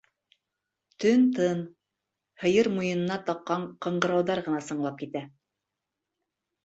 Төн тын. һыйыр муйынына таҡҡан ҡыңғырауҙар ғына сыңлап китә.